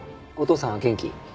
お父さんは元気？